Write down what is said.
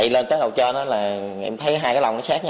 đối tượng anh cũng là người nuôi tôm ở ngay bên cạnh